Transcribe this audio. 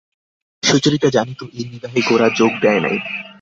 সুচরিতা জানিত এই বিবাহে গোরা যোগ দেয় নাই।